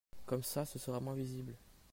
Comme ça ce sera moins visible.